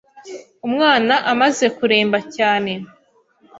Umwana amaze kuremba cyane,